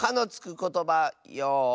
ことばよい。